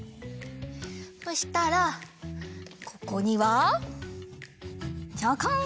そしたらここにはちょこん！